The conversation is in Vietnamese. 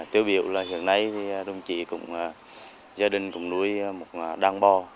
tiếu biểu là hôm nay thì đồng chí gia đình cũng nuôi một đăng bò